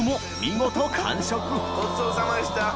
ごちそうさまでした。